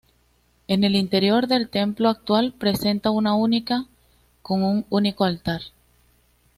En el interior del templo actual presenta una única con un único altar.